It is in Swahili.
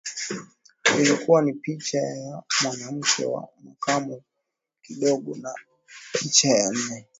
Ilikuwa ni picha ya mwanamke wa makamo kidogo na picha ya nne